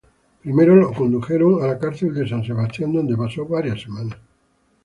Primero lo condujeron a la cárcel de San Sebastián donde pasó varias semanas.